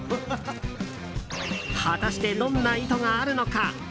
果たして、どんな意図があるのか。